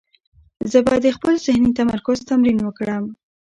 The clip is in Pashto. زه به د خپل ذهني تمرکز تمرین وکړم.